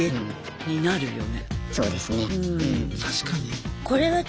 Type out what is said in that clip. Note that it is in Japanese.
そうですね。